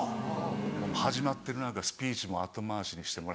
もう始まってる中スピーチも後回しにしてもらって。